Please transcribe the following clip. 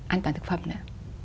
an toàn thực phẩm nữa